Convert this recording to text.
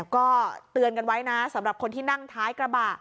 ก็เตือนกันไว้นะสำหรับคนที่นั่งท้ายกระบะ